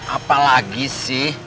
apa lagi sih